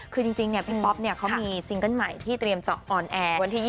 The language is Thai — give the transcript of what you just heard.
คือจริงพี่ป๊อปเขามีซิงเกิ้ลใหม่ที่เตรียมจะออนแอร์วันที่๒๒